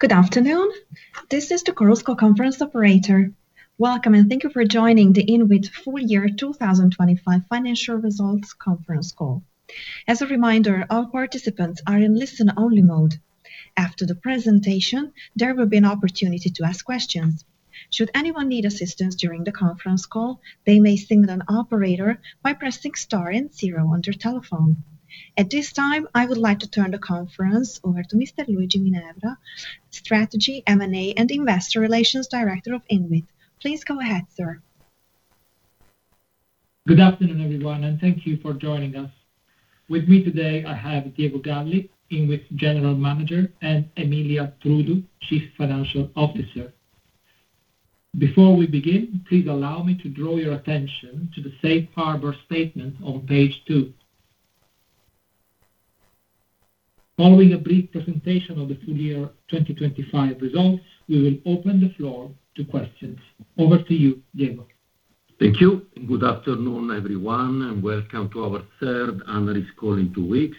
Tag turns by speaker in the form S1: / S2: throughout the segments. S1: Good afternoon. This is the Chorus Call conference operator. Welcome, and thank you for joining the INWIT Full-Year 2025 Financial Results Conference Call. As a reminder, all participants are in listen-only mode. After the presentation, there will be an opportunity to ask questions. Should anyone need assistance during the conference call, they may signal an operator by pressing star and zero on their telephone. At this time, I would like to turn the conference over to Mr. Luigi Minerva, Strategy, M&A & Investor Relations Director of INWIT. Please go ahead, sir.
S2: Good afternoon, everyone, and thank you for joining us. With me today, I have Diego Galli, INWIT General Manager, and Emilia Trudu, Chief Financial Officer. Before we begin, please allow me to draw your attention to the safe harbor statement on page 2. Following a brief presentation of the full-year 2025 results, we will open the floor to questions. Over to you, Diego.
S3: Thank you. Good afternoon, everyone, and welcome to our third analyst call in two weeks.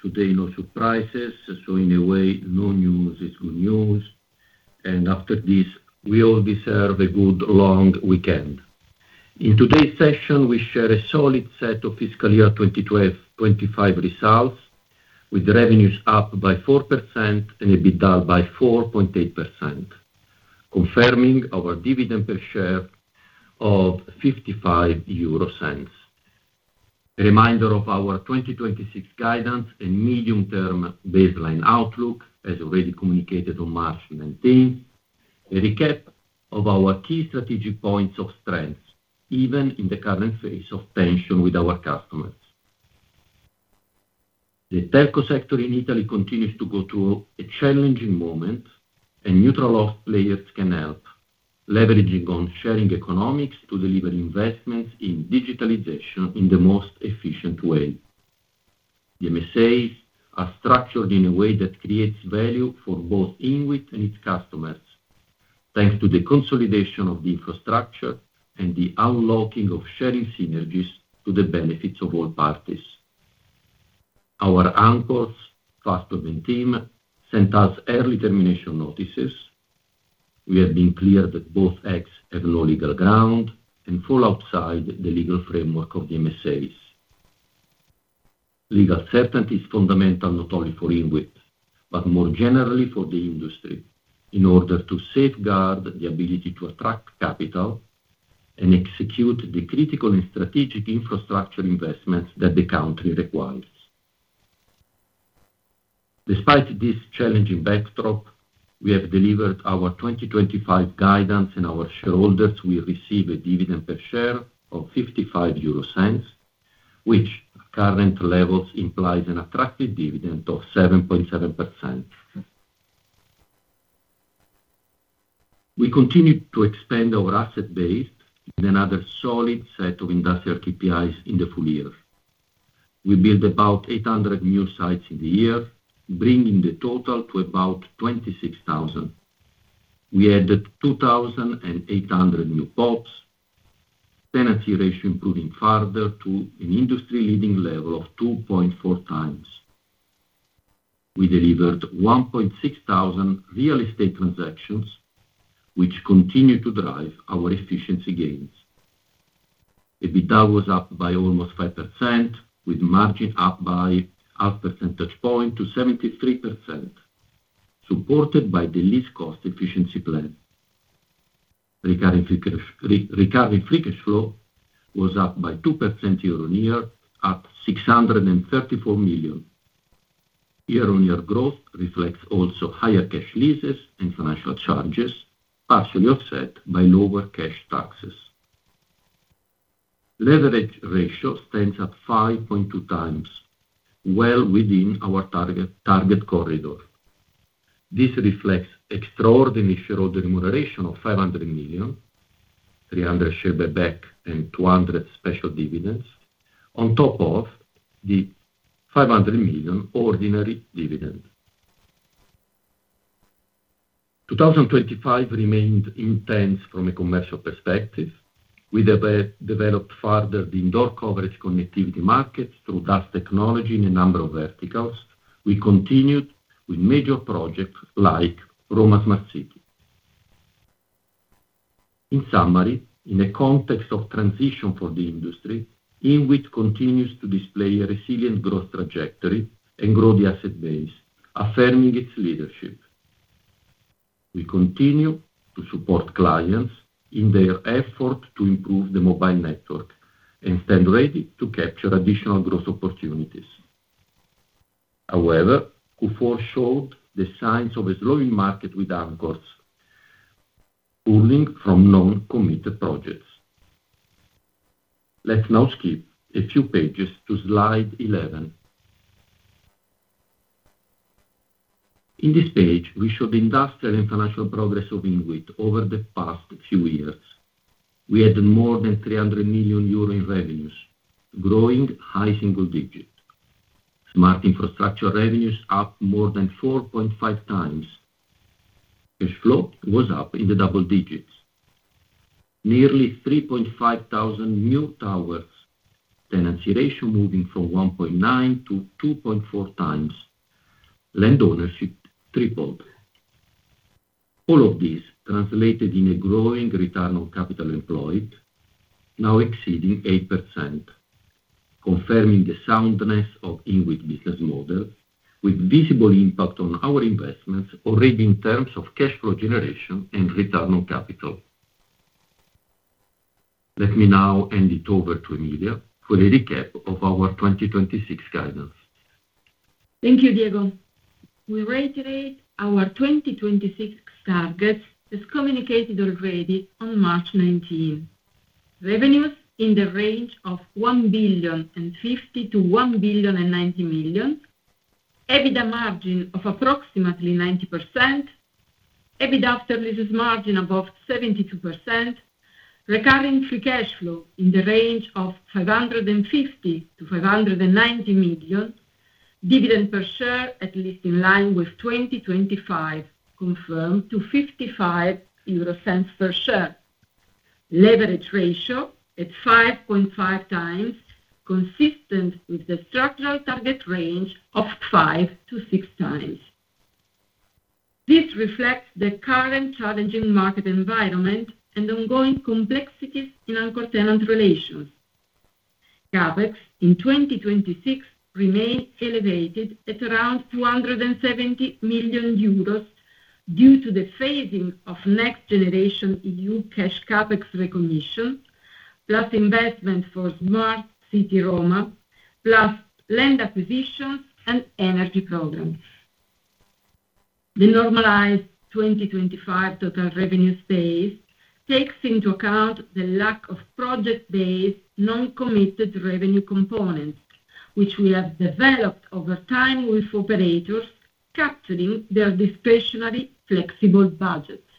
S3: Today, no surprises, so in a way, no news is good news. After this, we all deserve a good long weekend. In today's session, we share a solid set of fiscal year 2025 results, with revenues up by 4% and EBITDA by 4.8%, confirming our dividend per share of 0.55. A reminder of our 2026 guidance and medium-term baseline outlook, as already communicated on March 19, a recap of our key strategic points of strength, even in the current phase of tension with our customers. The telco sector in Italy continues to go through a challenging moment, and neutral host players can help, leveraging on sharing economics to deliver investments in digitalization in the most efficient way. The MSAs are structured in a way that creates value for both INWIT and its customers, thanks to the consolidation of the infrastructure and the unlocking of sharing synergies to the benefits of all parties. Our anchors, Fastweb and TIM, sent us early termination notices. We have been clear that both acts have no legal ground and fall outside the legal framework of the MSAs. Legal certainty is fundamental not only for INWIT but more generally for the industry in order to safeguard the ability to attract capital and execute the critical and strategic infrastructure investments that the country requires. Despite this challenging backdrop, we have delivered our 2025 guidance and our shareholders will receive a dividend per share of 0.55, which at current levels implies an attractive dividend of 7.7%. We continue to expand our asset base with another solid set of industrial KPIs in the full year. We built about 800 new sites in the year, bringing the total to about 26,000. We added 2,800 new PoPs. Tenant ratio improving further to an industry-leading level of 2.4x. We delivered 1,600 real estate transactions, which continue to drive our efficiency gains. EBITDA was up by almost 5%, with margin up by 0.5 Percentage point to 73%, supported by the least cost efficiency plan. Regarding free cash flow, was up by 2% year-on-year at 634 million. Year-on-year growth reflects also higher cash leases and financial charges, partially offset by lower cash taxes. Leverage ratio stands at 5.2x, well within our target corridor. This reflects extraordinary shareholder remuneration of 500 million, 300 million share buyback, and 200 million special dividends on top of the 500 million ordinary dividend. 2025 remained intense from a commercial perspective. We developed further the indoor coverage connectivity markets through DAS technology in a number of verticals. We continued with major projects like Roma Smart City. In summary, in a context of transition for the industry, INWIT continues to display a resilient growth trajectory and grow the asset base, affirming its leadership. We continue to support clients in their effort to improve the mobile network and stand ready to capture additional growth opportunities. However, Q4 showed the signs of a slowing market with anchors pulling from non-committed projects. Let's now skip a few pages to slide 11. In this page, we show the industrial and financial progress of INWIT over the past few years. We added more than 300 million euro in revenues, growing high-single digits. Smart infrastructure revenues up more than 4.5x. Cash flow was up in the double digits. Nearly 3,500 new towers. Tenancy ratio moving from 1.9x to 2.4x. Land ownership tripled. All of this translated in a growing return on capital employed, now exceeding 8%, confirming the soundness of INWIT business model with visible impact on our investments already in terms of cash flow generation and return on capital. Let me now hand it over to Emilia for a recap of our 2026 guidance.
S4: Thank you, Diego. We reiterate our 2026 targets as communicated already on March 19. Revenues in the range of 1.05 billion-1.09 billion. EBITDA margin of approximately 90%. EBITDA after leases margin above 72%. Recurring free cash flow in the range of 550 million-590 million. Dividend per share at least in line with 2025, confirmed to 0.55 per share. Leverage ratio at 5.5x, consistent with the structural target range of 5x-6x. This reflects the current challenging market environment and ongoing complexities in anchor tenant relations. CapEx in 2026 remain elevated at around 270 million euros due to the phasing of Next Generation EU cash CapEx recognition, plus investment for Smart City Roma, plus land acquisitions and energy programs. The normalized 2025 total revenue space takes into account the lack of project-based non-committed revenue components, which we have developed over time with operators capturing their discretionary flexible budgets.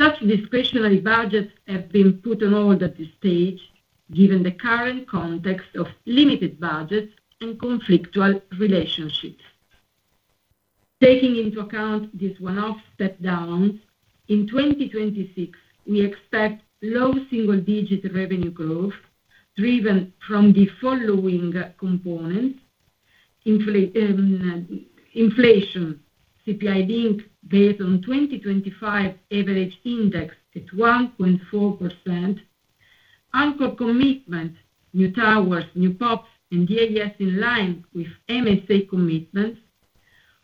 S4: Such discretionary budgets have been put on hold at this stage, given the current context of limited budgets and conflictual relationships. Taking into account this one-off step down, in 2026, we expect low-single-digit revenue growth driven from the following components. Inflation, CPI link based on 2025 average index at 1.4%. Anchor commitment, new towers, new PoPs and DAS in line with MSA commitments.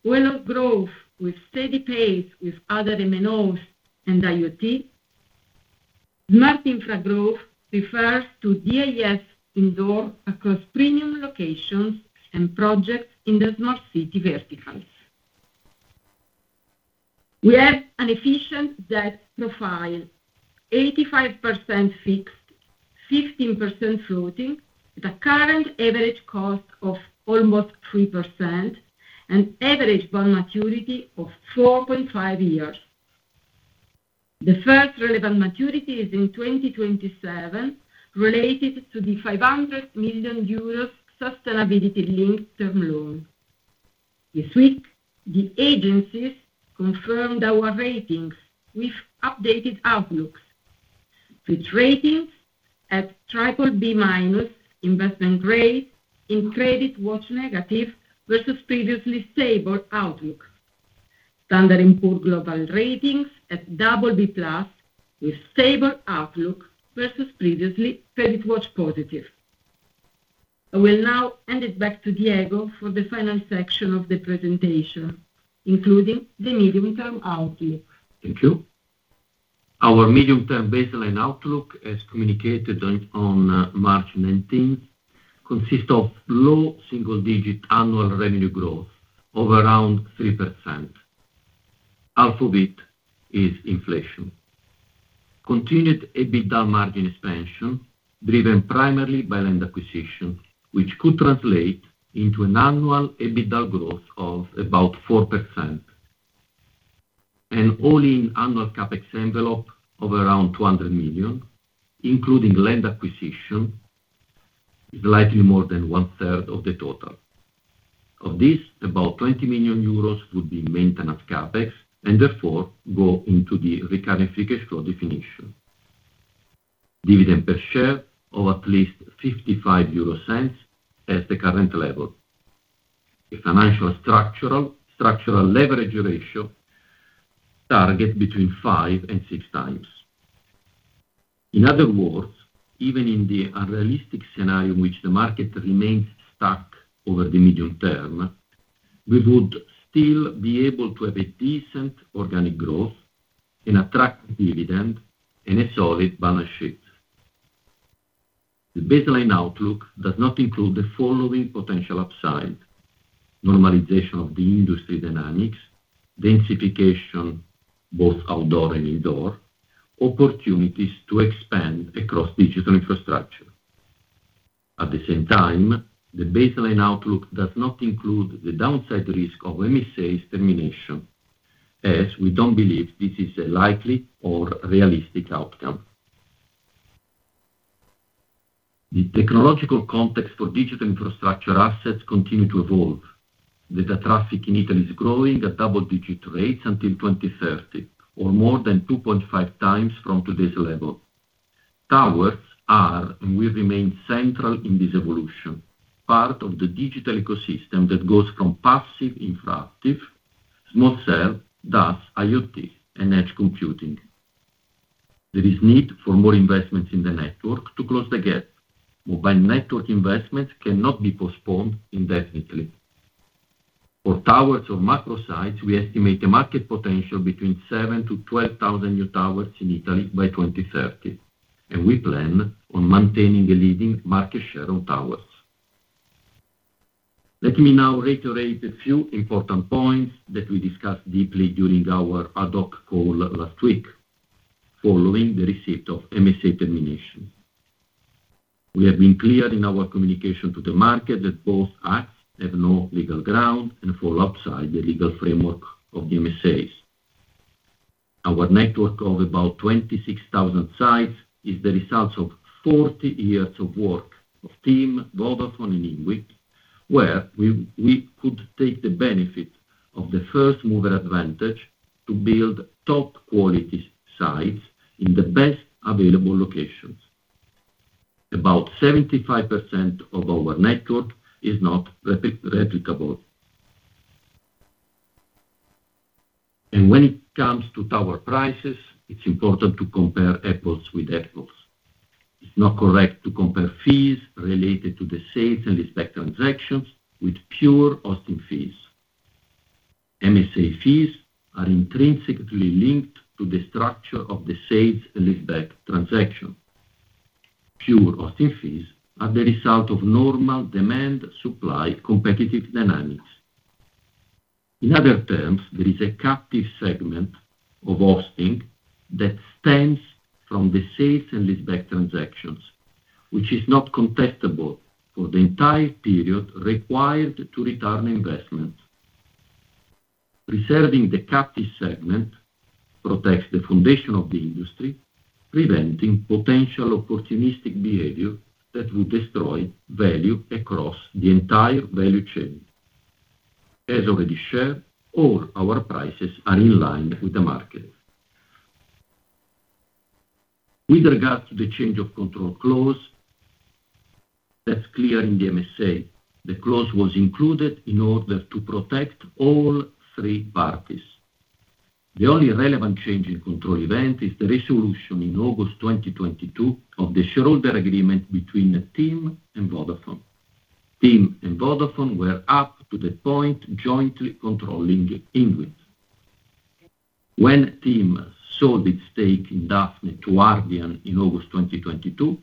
S4: Wallet growth with steady pace with other MNOs and IoT. Smart Infra growth refers to DAS indoor across premium locations and projects in the Smart City verticals. We have an efficient debt profile, 85% fixed, 15% floating, with a current average cost of almost 3% and average bond maturity of 4.5 years. The first relevant maturity is in 2027, related to the 500 million euros sustainability-linked term loan. This week, the agencies confirmed our ratings with updated outlooks. Fitch Ratings at BBB- investment grade on credit watch negative versus previously stable outlook. Standard & Poor's Global Ratings at BB+ with stable outlook versus previously credit watch positive. I will now hand it back to Diego for the final section of the presentation, including the medium-term outlook.
S3: Thank you. Our medium-term baseline outlook, as communicated on March 19, consists of low-single-digit annual revenue growth of around 3%. Half of it is inflation. Continued EBITDA margin expansion driven primarily by land acquisition, which could translate into an annual EBITDA growth of about 4%. An all-in annual CapEx envelope of around 200 million, including land acquisition, is likely more than 1/3 of the total. Of this, about 20 million euros would be maintenance CapEx and therefore go into the recurring free cash flow definition. Dividend per share of at least 0.55 as the current level. The financial structural leverage ratio target between 5x and 6x. In other words, even in the unrealistic scenario in which the market remains stuck over the medium term, we would still be able to have a decent organic growth, an attractive dividend, and a solid balance sheet. The baseline outlook does not include the following potential upside, normalization of the industry dynamics, densification, both outdoor and indoor, opportunities to expand across digital infrastructure. At the same time, the baseline outlook does not include the downside risk of MSA's termination, as we don't believe this is a likely or realistic outcome. The technological context for digital infrastructure assets continue to evolve. The data traffic in Italy is growing at double-digit rates until 2030 or more than 2.5x from today's level. Towers are and will remain central in this evolution, part of the digital ecosystem that goes from passive infrastructure, small cell, DAS, IoT, and edge computing. There is need for more investments in the network to close the gap. Mobile network investments cannot be postponed indefinitely. For towers or macro sites, we estimate a market potential between 7,000-12,000 new towers in Italy by 2030, and we plan on maintaining a leading market share on towers. Let me now reiterate a few important points that we discussed deeply during our ad hoc call last week following the receipt of MSA termination. We have been clear in our communication to the market that both acts have no legal ground and fall outside the legal framework of the MSAs. Our network of about 26,000 sites is the result of 40 years of work of TIM, Vodafone and INWIT, where we could take the benefit of the first mover advantage to build top quality sites in the best available locations. About 75% of our network is not replicable. When it comes to tower prices, it's important to compare apples with apples. It's not correct to compare fees related to the sales and lease back transactions with pure hosting fees. MSA fees are intrinsically linked to the structure of the sales and lease back transaction. Pure hosting fees are the result of normal demand, supply, competitive dynamics. In other terms, there is a captive segment of hosting that stems from the sales and lease back transactions, which is not contestable for the entire period required to return investment. Reserving the captive segment protects the foundation of the industry, preventing potential opportunistic behavior that would destroy value across the entire value chain. As already shared, all our prices are in line with the market. With regards to the change of control clause, that's clear in the MSA. The clause was included in order to protect all three parties. The only relevant change in control event is the resolution in August 2022 of the shareholder agreement between TIM and Vodafone. TIM and Vodafone were up to the point jointly controlling INWIT. When TIM sold its stake in Daphne to Ardian in August 2022,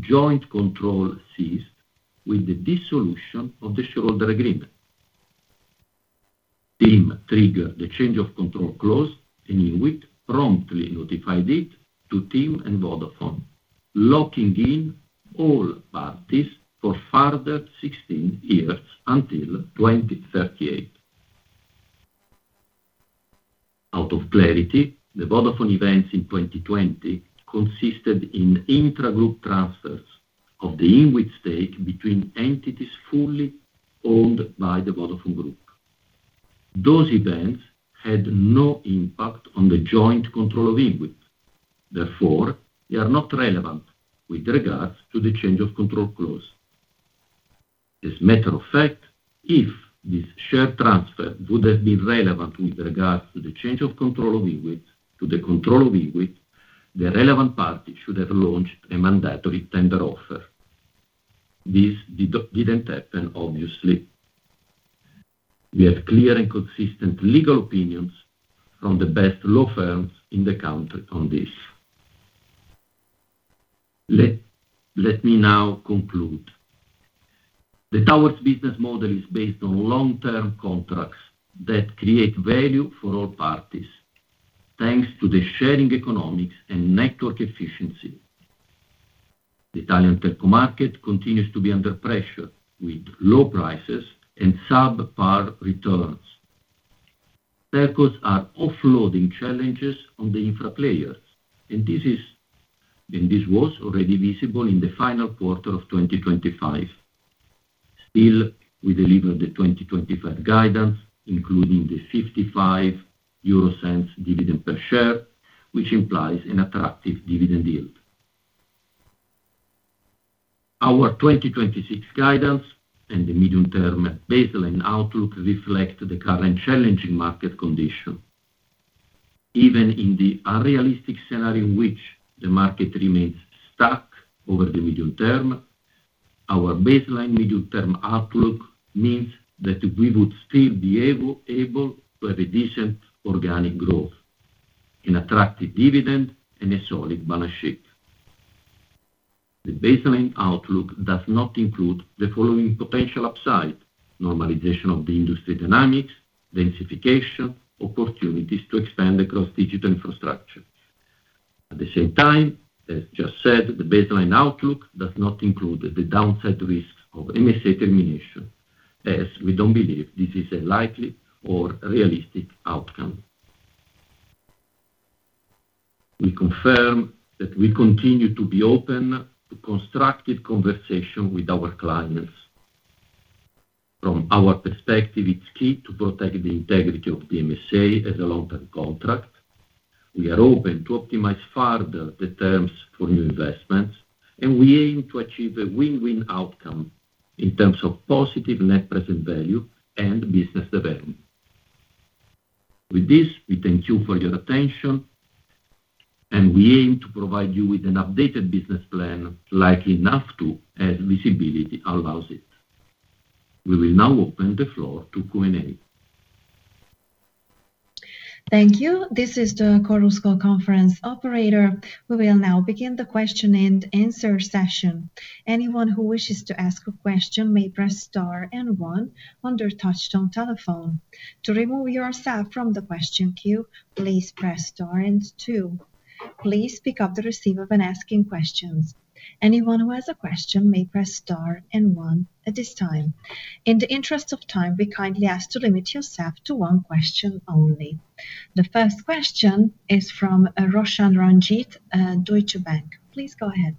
S3: joint control ceased with the dissolution of the shareholder agreement. TIM triggered the change of control clause, and INWIT promptly notified it to TIM and Vodafone, locking in all parties for further 16 years until 2038. For clarity, the Vodafone events in 2020 consisted in intragroup transfers of the INWIT stake between entities fully owned by the Vodafone group. Those events had no impact on the joint control of INWIT, therefore, they are not relevant with regards to the change of control clause. As a matter of fact, if this share transfer would have been relevant with regard to the change of control of INWIT, to the control of INWIT, the relevant party should have launched a mandatory tender offer. This didn't happen obviously. We have clear and consistent legal opinions from the best law firms in the country on this. Let me now conclude. The towers business model is based on long-term contracts that create value for all parties. Thanks to the sharing economics and network efficiency. The Italian telco market continues to be under pressure with low prices and subpar returns. Telcos are offloading challenges on the infra players, and this was already visible in the final quarter of 2025. Still, we delivered the 2025 guidance, including the 0.55 dividend per share, which implies an attractive dividend yield. Our 2026 guidance and the medium-term baseline outlook reflect the current challenging market condition. Even in the unrealistic scenario in which the market remains stuck over the medium term, our baseline medium-term outlook means that we would still be able to have a decent organic growth, an attractive dividend and a solid balance sheet. The baseline outlook does not include the following potential upside, normalization of the industry dynamics, densification, opportunities to expand across digital infrastructure. At the same time, as just said, the baseline outlook does not include the downside risk of MSA termination, as we don't believe this is a likely or realistic outcome. We confirm that we continue to be open to constructive conversation with our clients. From our perspective, it's key to protect the integrity of the MSA as a long-term contract. We are open to optimize further the terms for new investments, and we aim to achieve a win-win outcome in terms of positive net present value and business development. With this, we thank you for your attention, and we aim to provide you with an updated business plan, likely as soon as visibility allows it. We will now open the floor to Q&A.
S1: Thank you. This is the Chorus Call conference operator. We will now begin the question-and-answer session. Anyone who wishes to ask a question may press star and one on their touchtone telephone. To remove yourself from the question queue, please press star and two. Please pick up the receiver when asking questions. Anyone who has a question may press star and one at this time. In the interest of time, we kindly ask to limit yourself to one question only. The first question is from Roshan Ranjit, Deutsche Bank. Please go ahead.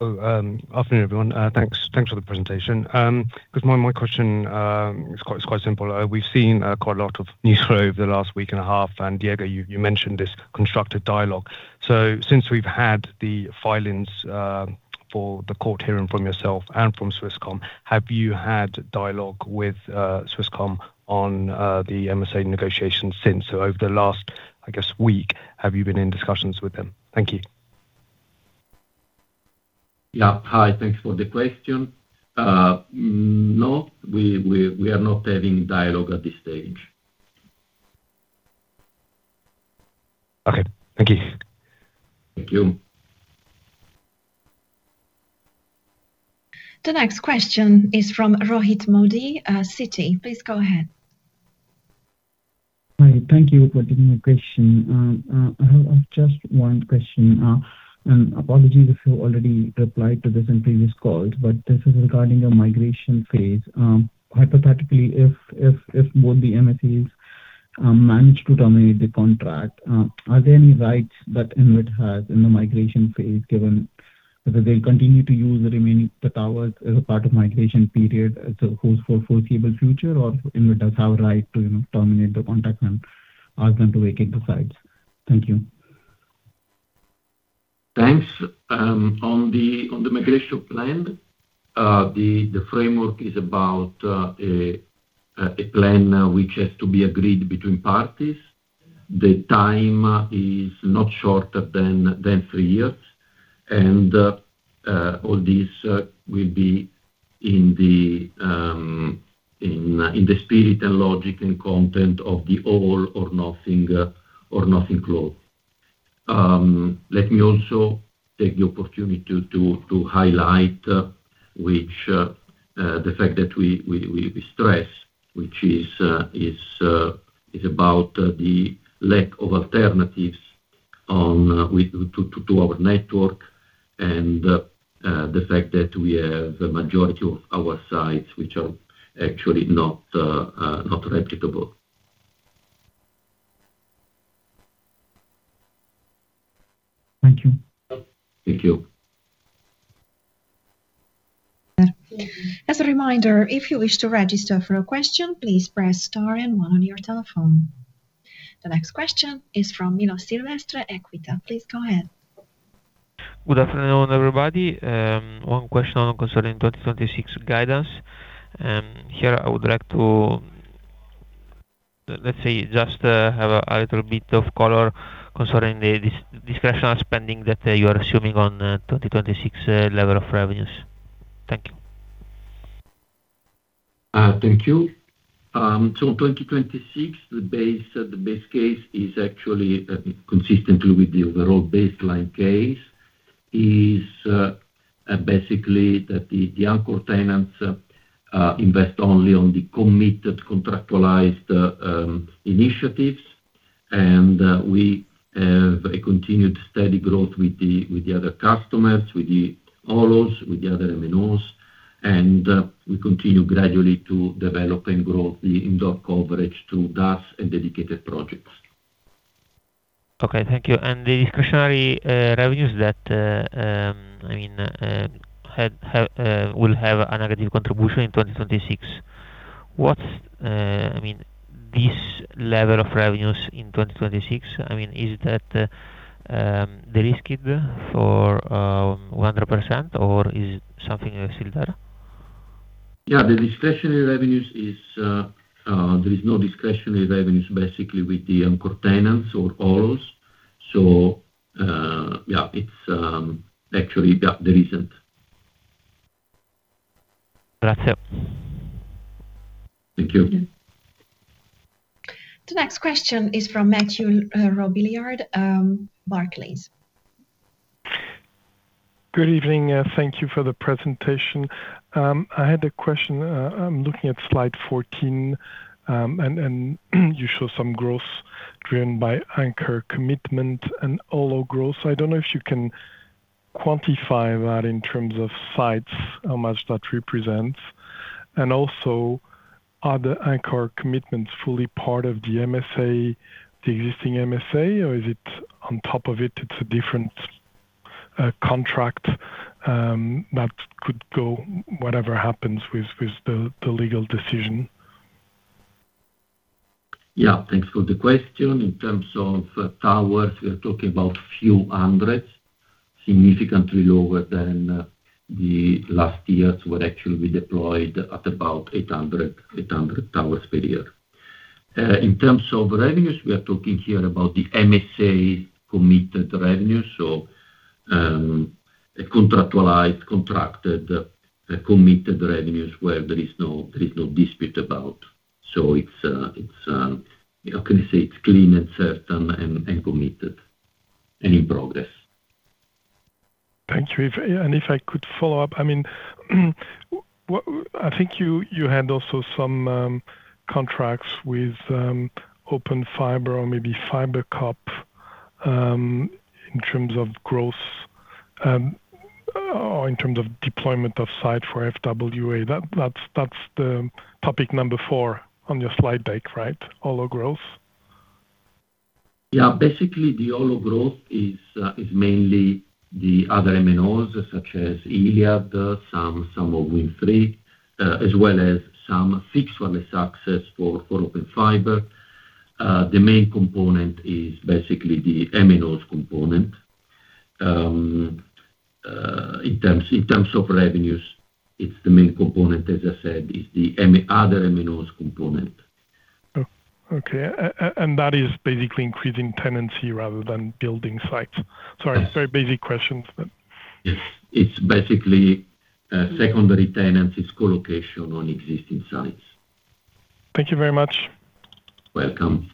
S5: Afternoon, everyone. Thanks for the presentation. Because my question is quite simple. We've seen quite a lot of news flow over the last week and a half. Diego, you mentioned this constructive dialogue. Since we've had the filings for the court hearing from yourself and from Swisscom, have you had dialogue with Swisscom on the MSA negotiations since? Over the last, I guess, week, have you been in discussions with them? Thank you.
S3: Yeah. Hi. Thanks for the question. No, we are not having dialogue at this stage.
S5: Okay. Thank you.
S3: Thank you.
S1: The next question is from Rohit Modi, Citi. Please go ahead.
S6: Hi, thank you for taking my question. I have just one question. Apologies if you already replied to this in previous calls, but this is regarding the migration phase. Hypothetically, if both the MSAs manage to terminate the contract, are there any rights that INWIT has in the migration phase, given that they'll continue to use the remaining towers as a part of migration period as a foreseeable future or INWIT does have right to, you know, terminate the contract and ask them to vacate the sites? Thank you.
S3: Thanks. On the migration plan, the framework is about a plan which has to be agreed between parties. The time is not shorter than three years. All this will be in the spirit and logic and content of the all or nothing clause. Let me also take the opportunity to highlight the fact that we stress, which is about the lack of alternatives to our network and the fact that we have a majority of our sites which are actually not replicable.
S6: Thank you.
S3: Thank you.
S1: As a reminder, if you wish to register for a question, please press star and one on your telephone. The next question is from Milo Silvestre, Equita. Please go ahead.
S7: Good afternoon, everybody. One question concerning 2026 guidance. Here I would like to, let's say, just have a little bit of color concerning the discretionary spending that you are assuming on 2026 level of revenues. Thank you.
S3: Thank you. In 2026, the base case is actually consistently with the overall baseline case, basically that the anchor tenants invest only on the committed contractualized initiatives. We have a continued steady growth with the other customers, with the OLOs, with the other MNOs. We continue gradually to develop and grow the indoor coverage through DAS and dedicated projects.
S7: Okay. Thank you. The discretionary revenues that will have a negative contribution in 2026. What I mean, this level of revenues in 2026, I mean, is that the risk for 100% or is something else still there?
S3: Yeah. There is no discretionary revenues basically with the anchor tenants or OLOs. Yeah, it's actually, yeah, there isn't.
S7: Gotcha.
S3: Thank you.
S1: The next question is from Mathieu Robilliard, Barclays.
S8: Good evening. Thank you for the presentation. I had a question. I'm looking at slide 14, and you show some growth driven by anchor commitment and OLO growth. I don't know if you can quantify that in terms of sites, how much that represents. And also, are the anchor commitments fully part of the MSA, the existing MSA, or is it on top of it's a different contract that could go whatever happens with the legal decision?
S3: Yeah. Thanks for the question. In terms of towers, we are talking about few hundreds, significantly lower than the last years were actually deployed at about 800 towers per year. In terms of revenues, we are talking here about the MSA committed revenue, so, a contracted committed revenues where there is no dispute about. It's you know, how can I say? It's clean and certain and committed and in progress.
S8: Thank you. If I could follow up. I mean, I think you had also some contracts with Open Fiber or maybe FiberCop in terms of growth or in terms of deployment of site for FWA. That's the topic number four on your slide deck, right? OLO growth.
S3: Yeah. Basically, the OLO growth is mainly the other MNOs such as Iliad, some of WINDTRE, as well as some fixed wireless access for Open Fiber. The main component is basically the MNOs component. In terms of revenues, it's the main component, as I said, the other MNOs component.
S8: Okay. That is basically increasing tenancy rather than building sites. Sorry, very basic questions.
S3: Yes. It's basically secondary tenancy co-location on existing sites.
S8: Thank you very much.
S3: Welcome.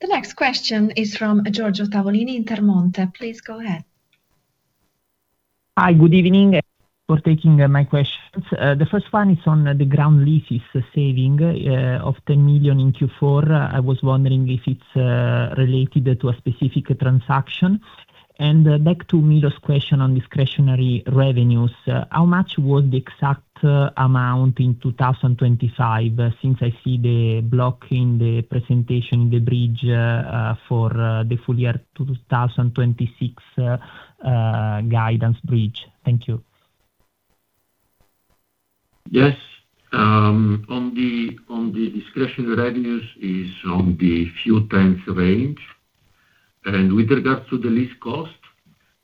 S1: The next question is from Giorgio Tavolini, Intermonte. Please go ahead.
S9: Hi. Good evening for taking my questions. The first one is on the ground leases saving of 10 million in Q4. I was wondering if it's related to a specific transaction. Back to Milo's question on discretionary revenues, how much was the exact amount in 2025, since I see the block in the presentation, the bridge for the full-year 2026 guidance bridge. Thank you.
S3: Yes. On the discretionary revenues is on the few tens of range. With regards to the lease costs,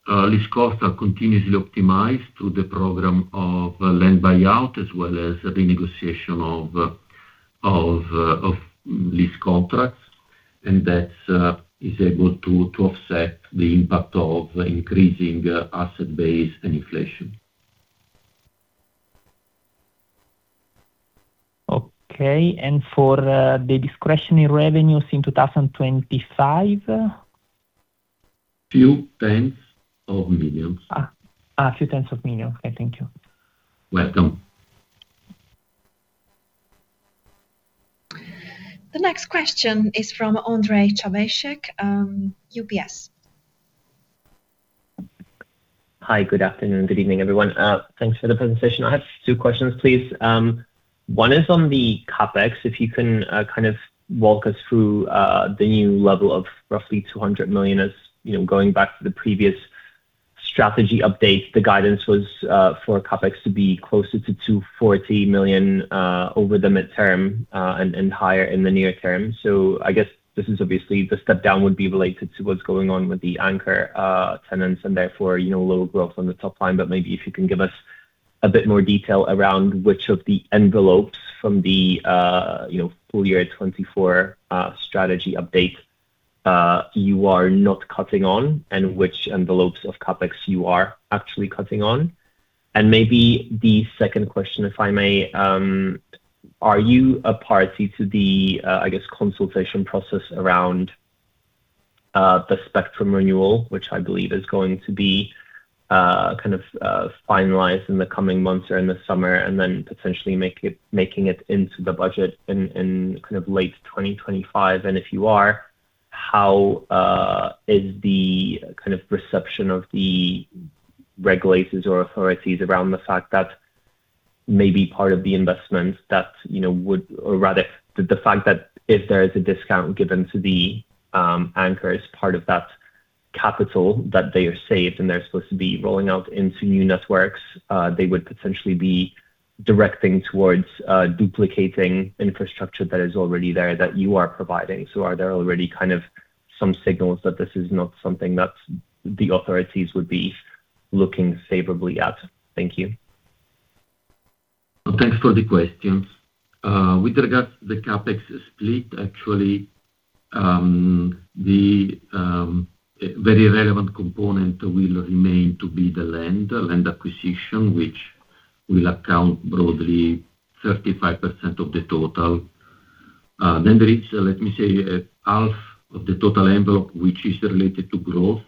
S3: lease costs are continuously optimized through the program of land buyout as well as the negotiation of lease contracts. That is able to offset the impact of increasing asset base and inflation.
S9: Okay. For the discretionary revenues in 2025?
S3: Few tens of millions.
S9: A few tens of millions. Okay, thank you.
S3: Welcome.
S1: The next question is from Ondrej Cabejsek, UBS.
S10: Hi. Good afternoon. Good evening, everyone. Thanks for the presentation. I have two questions, please. One is on the CapEx, if you can kind of walk us through the new level of roughly 200 million as, you know, going back to the previous strategy update, the guidance was for CapEx to be closer to 240 million over the midterm and higher in the near term. I guess this is obviously the step down would be related to what's going on with the anchor tenants and therefore, you know, lower growth on the top line. Maybe if you can give us a bit more detail around which of the envelopes from the, you know, full-year 2024 strategy update you are not cutting on and which envelopes of CapEx you are actually cutting on. Maybe the second question, if I may, are you a party to the, I guess, consultation process around, the spectrum renewal, which I believe is going to be, kind of, finalized in the coming months or in the summer and then potentially making it into the budget in kind of late 2025? If you are, how is the kind of perception of the regulators or authorities around the fact that maybe part of the investment that, you know, would or rather the fact that if there is a discount given to the, anchor as part of that capital that they are saved and they're supposed to be rolling out into new networks, they would potentially be directing towards, duplicating infrastructure that is already there that you are providing. Are there already kind of some signals that this is not something that the authorities would be looking favorably at? Thank you.
S3: Thanks for the questions. With regards to the CapEx split, actually, the very relevant component will remain to be the land acquisition, which will account broadly 35% of the total. Then there is, let me say, half of the total envelope which is related to growth,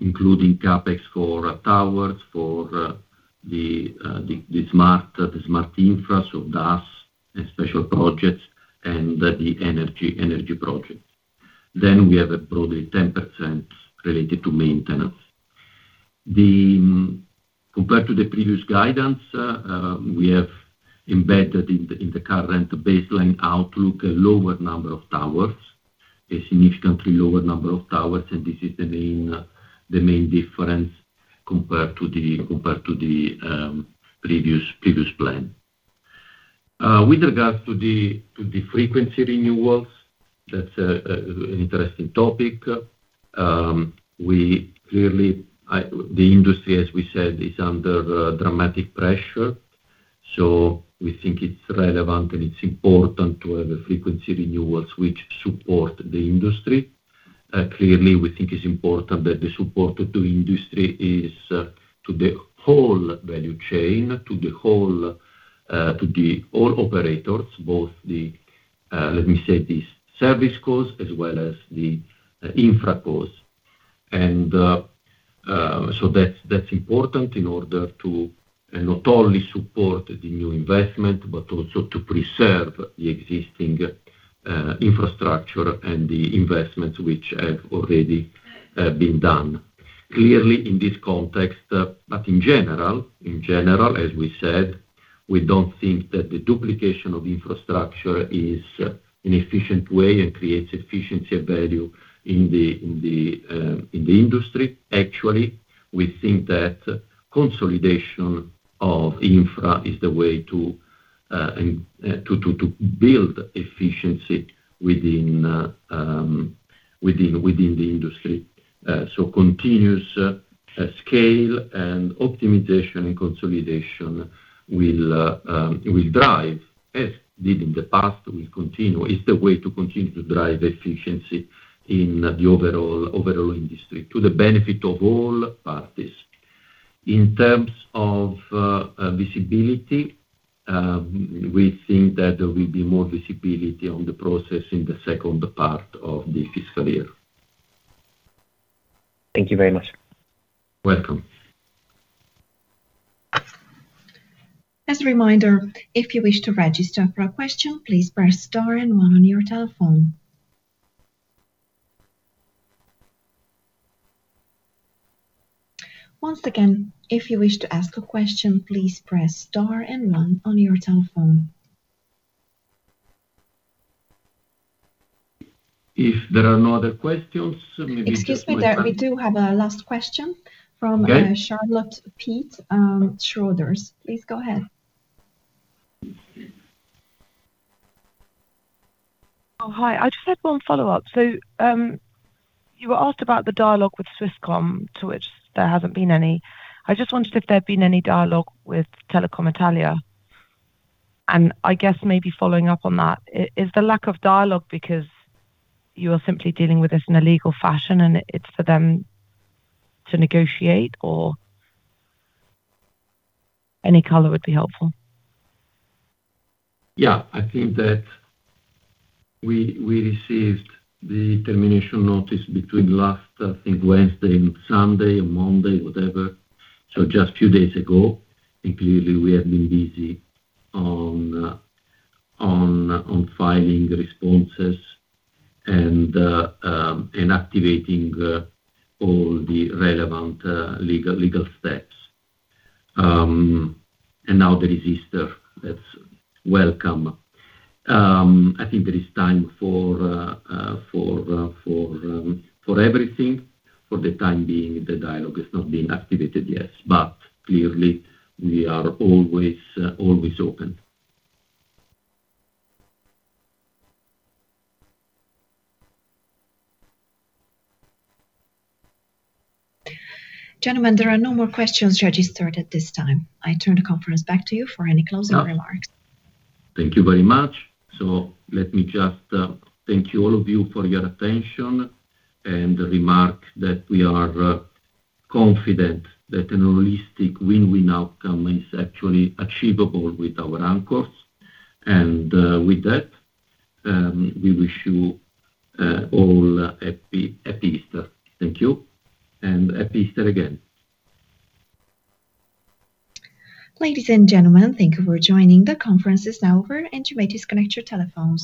S3: including CapEx for towers, for the Smart Infra or DAS and special projects and the energy projects. Then we have probably 10% related to maintenance. Compared to the previous guidance, we have embedded in the current baseline outlook a lower number of towers, a significantly lower number of towers, and this is the main difference compared to the previous plan. With regards to the frequency renewals, that's an interesting topic. The industry, as we said, is under dramatic pressure, so we think it's relevant and it's important to have the frequency renewals which support the industry. Clearly, we think it's important that the support to industry is to the whole value chain, to all operators, both, let me say, the service cos as well as the infra cos. That's important in order to not only support the new investment, but also to preserve the existing infrastructure and the investments which have already been done. Clearly, in this context, but in general, as we said, we don't think that the duplication of infrastructure is an efficient way and creates efficiency of value in the industry. Actually, we think that consolidation of infra is the way to build efficiency within the industry. Continuous scale and optimization and consolidation will drive, as did in the past, will continue. It's the way to continue to drive efficiency in the overall industry to the benefit of all parties. In terms of visibility, we think that there will be more visibility on the process in the second part of the fiscal year.
S10: Thank you very much.
S3: Welcome.
S1: As a reminder, if you wish to register for a question, please press star and one on your telephone. Once again, if you wish to ask a question, please press star and one on your telephone.
S3: If there are no other questions, maybe just
S1: Excuse me. We do have a last question from Charlotte Smith, Schroders. Please go ahead.
S11: Oh, hi. I just had one follow-up. You were asked about the dialogue with Swisscom, to which there hasn't been any. I just wondered if there had been any dialogue with Telecom Italia. I guess maybe following up on that, is the lack of dialogue because you are simply dealing with this in a legal fashion and it's for them to negotiate or any color would be helpful.
S3: Yeah. I think that we received the termination notice between last, I think, Wednesday and Sunday or Monday, whatever. Just few days ago. Clearly we have been busy on filing responses and activating all the relevant legal steps. Now there is Easter. That's welcome. I think there is time for everything. For the time being, the dialogue is not being activated yet, but clearly we are always open.
S1: Gentlemen, there are no more questions registered at this time. I turn the conference back to you for any closing remarks.
S3: Thank you very much. Let me just thank you all of you for your attention and remark that we are confident that a realistic win-win outcome is actually achievable with our anchors. With that, we wish you all a Happy Easter. Thank you and Happy Easter again.
S1: Ladies and gentlemen, thank you for joining. The conference is now over, and you may disconnect your telephones.